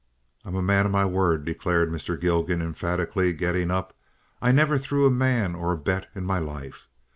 "I'm a man of my word," declared Mr. Gilgan, emphatically, getting up. "I never threw a man or a bet in my life.